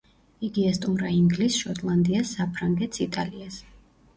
იგი ესტუმრა ინგლისს, შოტლანდიას, საფრანგეთს, იტალიას.